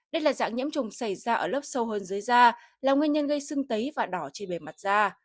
đây là dạng nhiễm trùng xảy ra ở lớp sâu hơn dưới da là nguyên nhân gây sưng tấy và đỏ trên bề mặt da